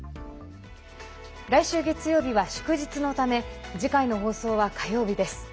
来週月曜日は祝日のため次回の放送は火曜日です。